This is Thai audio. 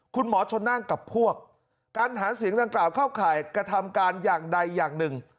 คุณหมอชนนั่นกับพวกการหาเสียงดังกล่าวเข้าข่ายกระทำการอย่างใดอย่างหนึ่ง